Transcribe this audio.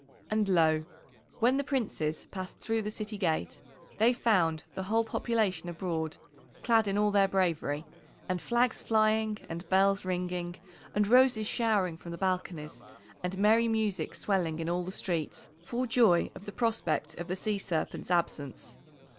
And lo! when the Princes passed through the city gate they found the whole population abroad clad in all their bravery, and flags flying and bells ringing and roses showering from the balconies, and merry music swelling in all the streets for joy of the prospect of the Sea Serpent's absence.